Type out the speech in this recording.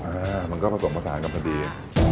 อ่ามันก็ผสมผสานกับพอดี